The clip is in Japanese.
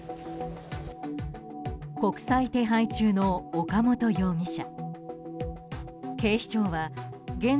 国際手配中の岡本容疑者。